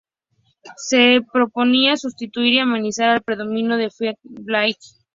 Se proponía sustituir y amenazar el predominio del Fianna Fáil.